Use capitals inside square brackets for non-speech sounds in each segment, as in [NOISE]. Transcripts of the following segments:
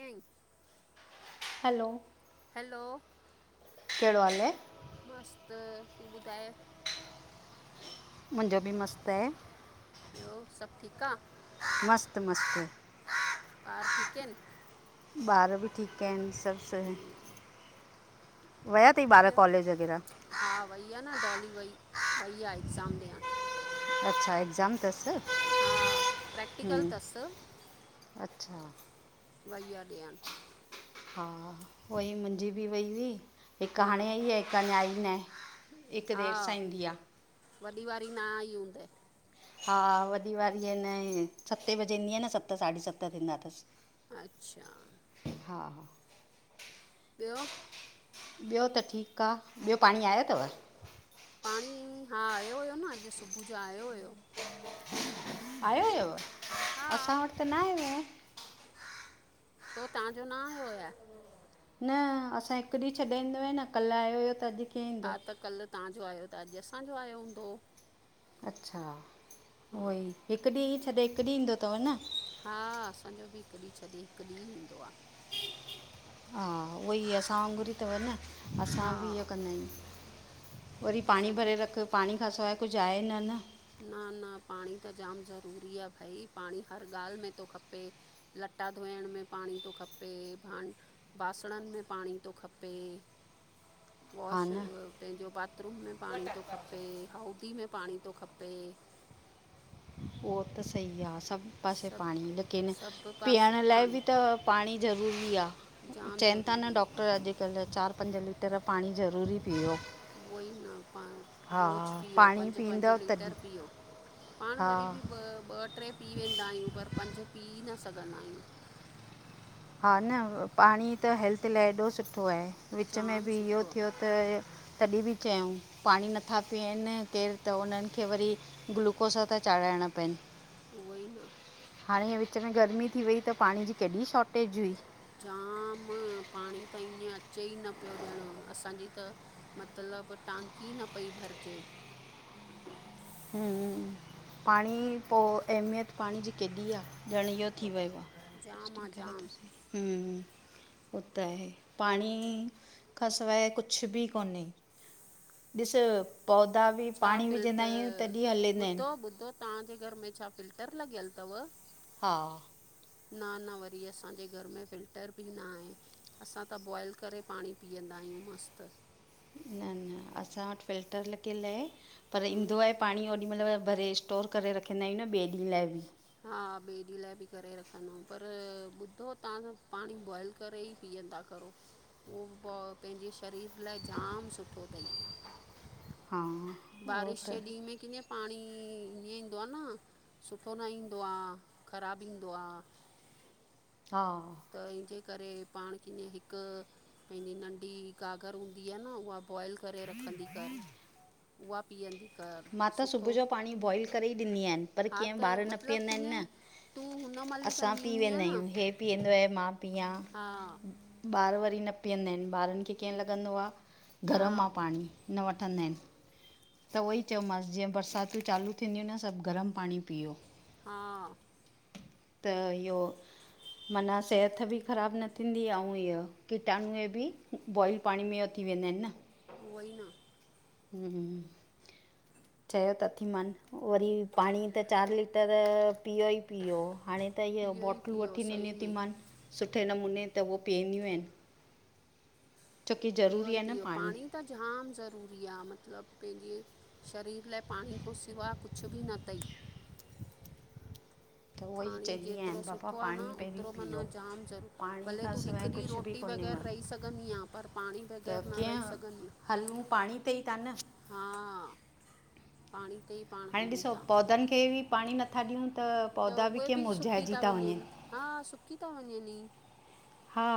ऐं। Hello. Hello. कहिड़ो हाल अएं? मस्तु, तूं ॿुधाए? मुंजो बि मस्तु आहे। ॿियो, सभु ठीक आ। मस्त मस्त ॿार ठीक आहिन ॿार बि ठीक आहिन सभ सही वया थई ॿार ॿियो कॉलेज वग़ैरह हा वई आ न डॉली वई, वई आ एग्ज़ाम ॾियण अच्छा एक्ज़ाम थस हा प्रैक्टिकल थस अच्छा वई आ ॾियण हा वई मुंहिंजी बि वई हुई हिक हा हाणे आई आहे हिक अना आई नाए हिक हा देर सां ईंंदी आ वॾी वारी न आई हूंदए हा वॾी वारी आए न सते बजे ईंदी आए न सत साढी सत थींदा थस अच्छा हा हा ॿियो ॿियो त ठीक आ। ॿियो पाणी आयो थव पाणी हा आयो हुयो न अॼु सुबुह जो आयो हुयो आयो हुयोव हा असां वट त न आयो आ छो तांजो न आयो आ न असां जो हिक ॾींह छॾे ईंदो आहे न कल आयो हुयो त अॼु कीअं हा ईंदो त कल तां जो आयो त अॼु असांजो आयो हूंदो अच्छा हा उहो ई हिक ॾींह छॾे हिक ॾींह ईंदो थव न हा असांजो बि हिक ॾींह छॾे हिक ॾींह ईंदो आ हा उहो ई असां वांगुर ई थव न असां बि हा इहो कंदा आहियूं वरी पाणी असांजो भरे रख, पाणी खां सवाए कुझ आहे न न न न पाणी त जाम ज़रूरी आ भई पाणी त हर ॻाल में थो खपे लटा धोइण में पाणी थो खपे बान बासणन में पाणी थो खपे [INAUDIBLE] वॉश न पंहिंजो बाथरूम में पाणी थो खपे हाउदी में पाणी थो खपे उहो त सही आ सभ पासे पाणी सभु लेकिन सभु पीअण पासे लाए बि त पाणी पाणी ज़रूरी आ जाम चईन था न ज़रूरी आहे डॉक्टर अॼुकल चार पंज लीटर पाणी ज़रूरी पीयो उहो ई न पाणी रोज़ पीयो पाणी पंज पंज पीअंदव तॾहिं लीटर पीओ पाण हा वरी भी ॿ ॿ टे पी वेंदा आहियूं पर पंज पी न सघंदा आयूं हा न पाणी त हेल्थ लाए एॾो सुठो आहे विच में जाम बि इहो सुठो आहे थियो त तॾहिं बि चयऊं पाणी नथा पीअन केरु त उनन खे वरी ग्लूकोस था चाढ़ाइणा पइन उहो ई न हाणे हीएं विच में गर्मी थी वई त पाणीअ जी केॾी शॉटेज हुई जाम पाणी त ईअं अचे ई न पियो ॼण असांजी त मतलब टांकी न पई भरजे पाणी पो अहमियत पाणी जी केॾी आ ॼण इ थी वयम जाम आहे जाम हूं उ त आहे पाणीअ खां सवाइ कुझु ॿि कोन्हे। ॾिस पौधा ॿि छा पाणी विझंदा आहियूं फिल्टर तॾहिं हलंदा आहिनि। ॿुधो ॿुधो तव्हांजे घर में छा फिल्टर लॻियल तवं? हा ना-ना वरी असांजे घर में फिल्टर ॿि ना आहे। असां त बॉइल करे पाणी पीअंदा आहियूं मस्तु। न-न असां वटि फिल्टर लॻियलु आहे पर ईंदो आहे पाणी ओॾी महिल भरे स्टोर करे रखंदा आहियूं न ॿिए ॾींहं लाइ ॿि। हा ॿिए ॾींहं लाइ ॿि करे रखंदुमि पर ॿुधो तव्हां पाणी बॉइल करे ई पीअंदा करो उहो प पंहिंजे शरीर लाइ जाम सुठो अथई। हा उहो बारिश त जे ॾींह में के पाणी ईअं ईंदो आ न, सुठो न ईंदो आ, ख़राबु ईंदो आ। हा त इंहिंजे करे पाण कं हिकु पंहिंजी नंढी कागर हूंदी आ न उहा बॉइल करे रखंदी कर उहा पीअंदी कर मां त सुबुह सुठो जो पाणी बॉइल करे ई ॾींदी यनं पर हा कीअं त ॿार न मतिलबु पीअंदा ऐंन न। कीअं तूं हुन महिल ई असां कंदी पी हूंदी आहे वेंदा न आहियूं हे पीअंदो आ मा पिया, हा ॿार वरी न पीअंदा आहिनि ॿारनि खे कीअं लॻंदो आ हा गरम आ पाणी न वठंदा आहिनि। त उहो ई चयोमांसि जीअं बरसातियूं चालू थींदियूं न सभु गरम पाणी पीओ। हा त इहो माना सेहत ॿि ख़राबु न थींदी आउ इयो कीटााणु ॿि बॉइल पाणी में अ थी वेंदा आहिनि न। उवोई न हूं चयो ता अथी मान वरी पाणी त चारि लीटररर पियो ई पीयो हाणे त इह इहो ई बॉटलूं पीओ वठी सही ॾिनी तूं में मान सुठे नमूने त उहो पीअंदियूं आहिनि। छो की पीओ ज़रूरी ई आहे न पओ पाणी त झाम ज़रूरी आ मतिलबु पंहिंजे शरीर लाइ पाणी खां सिवा कुझु ॿि न अथई। त उहो ई पाणी चवंदी जेतिरो आहियां बाबा सुठो आ न पाणी पहिरियों ओतिरो माना पीओ जाम ज़रूरु, पाणी भले खां तु सवाइ हिकु ॾींहुं कुझु रोटी बि रटी कोन्हे बग़ैर मां रही सघंदी आहियां पर पाणी त बग़ैर न कीअं रही सघंदी। हलूं पाणी ते ई ता न। हा पाणी ते ई पाण हाणे हलूं ॾिसो था पौधनि खे ॿि पाणी नथा ॾियूं त त पौधा बि उहे कीअं ॿि सुकी मुरझाइजी ता था वञनि हा सुकी ता वञनि ई। हा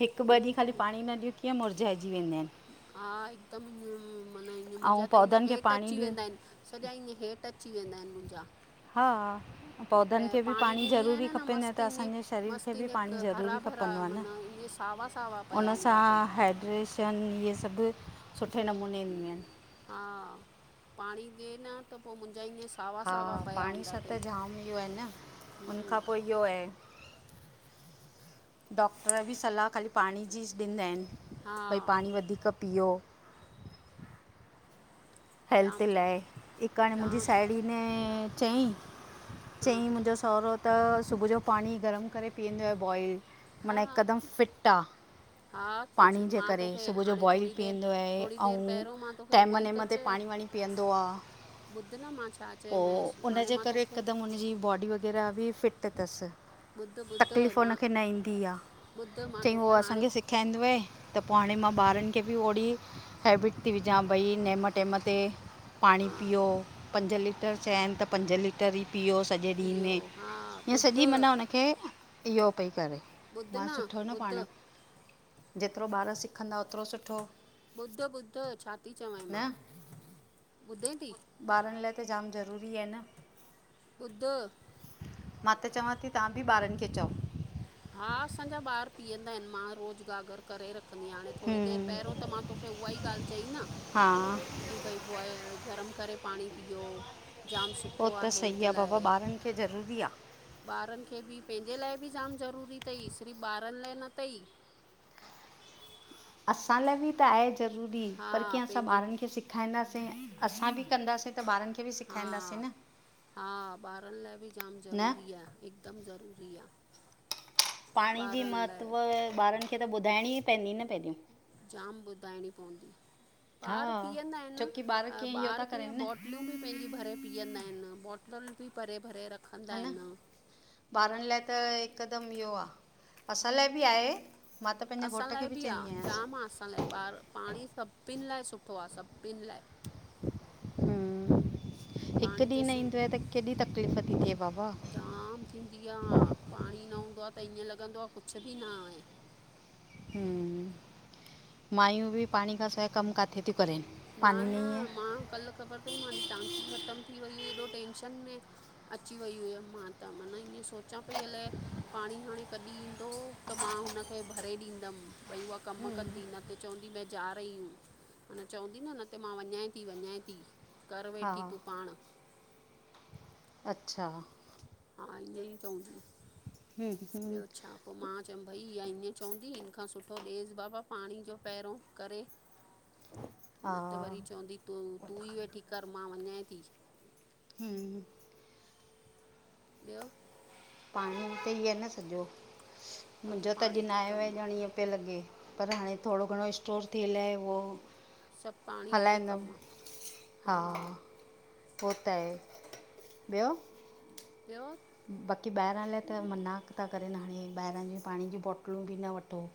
हिकु ॿ ॾींहं खाली बिल्कुलु पाणी न ॾियो कीअं मुरझाइजी वेंदा आहिनि। हा हिकदमि ईअ माना ईअ मुंहिंजा ऐं त ईअ पौधनि खे हेठि पाणी अची ॾियूं वेंदा आहिनि। सॼा ईय हेठि अची वेंदा आहिनि मुंहिंजा। हा, प पौधनि खे ॿि पाणी ॾींदी आहियां ज़रूरी खपे न त मस्तु ईअं असांजे शरीर खे मस्तु ॿि ईअं पाणी क- हरा ज़रूरी भरा खपंदो आ न माना ईअं सावा सावा पिया उ हूंदा सां अथई हैड्रेश शन इहे सभु सुठे नमूने ईंदियूं आहिनि। हा पाणी ॾे न त पोइ मुंहिंजा ईंय हा पाणी सां त जाम इहो आहे न उनखां हम्म पोइ इहो आहे डॉक्टर ॿि सलाह ख़ाली पाणी जी ॾींदा आहिनि हा भई पाणी वधीक पीओ। हेल्थ जाम च लाए हिकु हाणे मुंहिंजी जाम साहेड़ी ने चई हा चईं मुंहिंजो, सहुरो। त सुबुह जो पाणी गरम करे पीअंदो आ बॉइल हा मना हा हिकदम फिट आ। हा त पाणी ज- जे मां करे तोखे सुबुह जो हाणे बॉइल थोरी देरि पीअंदो आहे थोरी देरि आऊ पहिरियों मां तोखे टाइम उहा ई त मन ते में। चयो पाणी वाणी पीअंदो आ ॿुध न मां छा पो चयोमांसि हाणे उनजे मां करे तोखे हिकदम उनजी बॉडी वग़ैरह। मेरा बि फिट थस। ॿुध ॿुध तकलीफ़ मां हुनखे न ईंदी आ ॿुध मां चयईं तोखे उअ हाणे असां सिख। खाईदो आ, त पो हाणे मां ॿारन खे बि ओड़ी हैबिट थी विजां भई नेमट। टेम ते पाणी हा पीओ पंज लीटर चया आहिन त पंज लीटर ई। पीओ सॼे ॾींहं पीओ में हा ईअं सॼी ॿुध मना हुनखे इहो पई करे। ॿुध मां सुठो न ॿुध पाण, जेतरो ॿार सिखंदा ओतरो सुठो। ॿुधो ॿुधो छा थी चवांय मां ॿुधे थी? ॿारन लाइ त जाम ज़रूरी आहे न। बुध। मां त चवां थी तां बि ॿारन खे चओ। हा, असांजा ॿार पीअंदा आहिन मां रोज़ गागर करे रख। रखंदीहाणे थोरी देरि हम्म पहेरयों त मां तोखे उहा ई ॻाल्ह चई न। हा की भई बॉइ गरम करे पाणी पीओ जाम उहो सुठो त आहे हेल्थ सही बाबा लाइ। ॿारनि खे ज़रूरी आ। ॿारन खे बि पंहिंजे लाइ बि जाम ज़रूरी थई सिर्फ़ ॿारन लाइ न थई। असां लाइ बि त आहे ज़रूरी हा पर कीअं असां पंहिंजे ॿारन खे सिख। खाईंदासीं असां बि कंदासीं त ॿारन खे। बि हा सेखारींदासीं न हा, ॿारन लाइ बि जाम न ज़रूरी आ, हिकदम ज़रूरी आ। पाणी जी महत्व ॿारन खे त ॿुधाइणी ई पवंदी न पहेंरियो। जाम ॿुधाइणी पवंदी। ॿार हा पीअंदा आहिन एन छोकी ॿार कीअं इहो ॿार था कीअ करनि न बोटलूं बि पंहिंजी भरे। पीअंदा आहिन बोटलएन बि भरे भरे रख। ह न ॿारन लाइ त हिकदम इहो आ असां लाइ बि आहे। मां त पंहिंजे असां घोट लाइ खे बि चवंदी आहे आहियांसि। जाम आहे असां लाइ ॿार, पाणी सभिन लाइ सुठो आ सभिन लाइ। हिकु पाणी ॾींहु जे न सि ईंदो आ त केॾी तकलीफ़ अ थिए बाबा। जाम थींदी आ हां पाणी न हूंदो आ त ईअं लॻंदो आ कुच बि न आहे। हं, मायूं बि पाणी खां साय। कम काथे थी। न न मां कल ख़बर त ई मान। टांकी ख़तम थी वई हुई हेॾो टेंशन में। अची वई हुयम् मां त, माना ईअं सोचां पई अलाए। पाणी हाणे कॾहिं ईंदो त मां हुनखे भरे ॾींदम, भई उहा कम कंदी नथ। त चवंदी मै ज रही हू। माना चवंदी न न ते मां वञाए ती वञाय ती कर वेठी हा तूं पाण। अच्छा। हा ईअं ई चवंदी हम्म, हम्म, ॿियो छा। मां चयम् भई इहा ईअं चवंदी हिन खां सुठो ॾेस बाबा पाणी जो पहिरियों करे। [INAUDIBLE] न त वरी चवंदी तू तू ई वेठी कर मां वञाए थी। हं। ॿियो? पाणी ते ई आ न सॼो, सभु मुंहिंजो त अॼु पाणी न ते आयो आ कमु ॼण आहे इएं पयो लॻे, पर हाणे थोडो घणो स्टोर थियलि आहे, उहो सभु पाणी ते ई हलाईंदमि। कमु आहे हा हो त आहे, ॿियो? पयोर बाक़ी ॿाहिरां लाइ त मना ता करेनि हाणे, ॿाहिरां जे पाणी जी बोटलूं बि न वठो।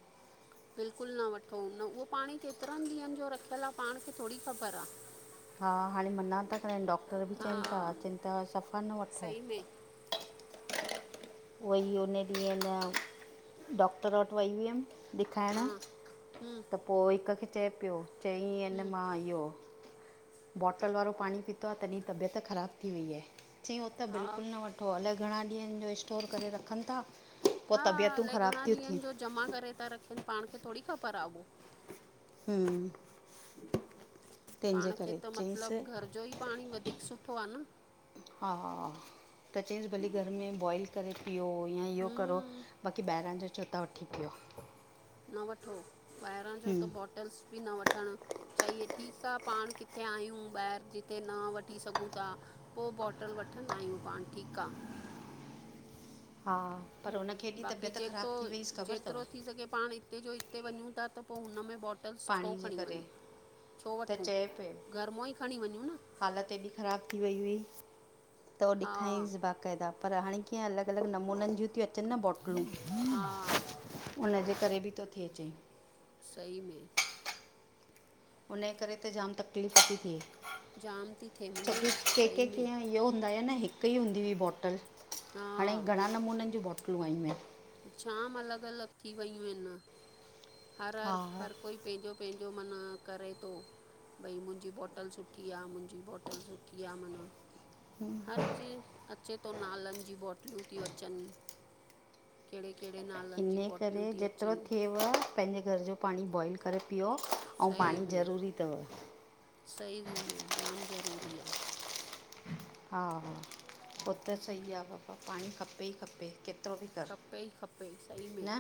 बिल्कुलु न वठो, न उहो पाणी केतिरनि ॾींहंनि जो रखियलु आ पाण खे थोडी ख़बर आ? हा हाणे मना ता करेनि डॉक्टर बि हा चवनि ता चैन ता, चैन ता सफ़ा न वठो। सही में उवई उने ॾींहुं ह न, डॉक्टर वटि वई हुयमि ॾेखाइणा, हा हम्म त पो हिकु खे चए पियो चईं ऐं न हम्म मां इहो बॉटल वारो पाणी पीतो आ तॾी तबियत ख़राबु थी वई आ। चईं हो त हा बिल्कुलु न वठ हो अलाए घणा ॾींहंनि जो स्टोर करे रखनि ता। हा, अलाए घणा ॾींहंनि जो जमा करे ता रखिनि पाण खे थोरी ख़बर आ उहो। हम्म तंहिंजे पाण खे करे त चयईंसि मतिलबु घर जो ई पाणी वधीक सुठो आ न। हा त चयईंसि भलीे घर में बॉइल करे पियो या इहो करो, हम्म बाक़ी ॿाहिरां जो छो था वठी पियो। न वठो, ॿाहिरां जो त हम्म बोटल्स बि न वठणु अच्छा इहे ठीकु आ पाण किथे आहियूं, ॿाहिरि जिते न वठी सघूं ता पो बोटल वठंदा आहियूं पाण ठीकु आ। हा पर हुनखे एॾी बाक़ी तबियत ॼेतो ख़राबु थी वईसि ख़बर अथव ॼेतिरो थी सघे पाण हिते जो हिते वञू ता त पो हुन में बोटल्स छो पाणी जे खणी करे वञूं? छो त वठूं चए पियो, घर मां ई खणी वञूं न हालति हेॾी ख़राब थी वई हुई त उ हा ॾिखाईस बा क़एदा पर हाणे कीअं अलॻि अलॻि नमूननि जीयूं ती अचनि न बोटलूं। हा उनजे करे बि तो थेए अचे। सही में उने करे त जाम तकलीफ़ ती थेए। जाम ती थे मना, सई के में। कीअं इहो हूंदा आ न हिकु ई हूंदी हुई बोटल, हा हाणे घणा नमूननि जीयूं बेटलूं आयूं आहिनि। जाम अलॻि अलॻि थी वयूं आहिनि हर हर हा हर कोई पैंजो पैंजो मना करे तो भई मुंहिंजी बोटल सुठी आ, मुंहिंजी बोटल सुठी आ, माना हर जे, अचे तो नालनि जी बोटलूं तियूं अचनि। कहिड़े कहिड़े नाल इने करे जेतिरो थिएव पंहिंजे घर जो पाणी बॉइल करे पीओ, अऊं पाणी ज़रूरी तव। सई में जाम ज़रूरी आ। हा पो त सही आ बाबा, पाणी खपे ई खपे किथ खपे ई खपे सही में।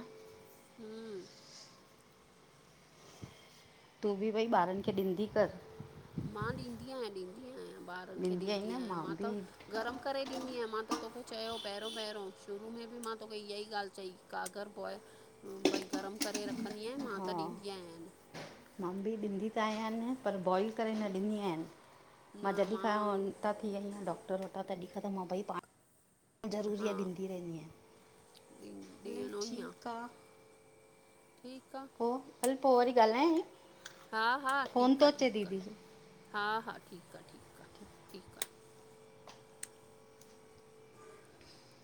हूं तूं बि भई ॿारनि खे ॾींदी कर। मां ॾींदी आहियां, ॾींदी आहियां ॿारनि खे आहीं ॾींदी न आहियां, मां बि त गरम करे ॾींदी आहियां, मां त तोखे चयो पहिरों पहिरों, शुरू में बि मां तोखे इएं ई ॻाल्हि चई। काग़र बॉय भई गरम करे रखंदी आहियां मां हा त ॾींदी आहियां। मां बि ॾिंदी त आया आहिनपर बॉइ न मां प [INAUDIBLE] जरूरी हा आहे ॾींदी रहंदी आहियां ॾी हलो ॾियणो ठीक आ। ठीक आ। पो हल पो वरी ॻाल्हायां थी। हा- हा, ठीक आ- ठीक आ, हा-हा, ठीक आ- ठीक आ, ठीक आ। [INAUDIBLE]